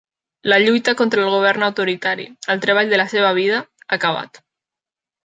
La lluita contra el govern autoritari, el treball de la seva vida, ha acabat.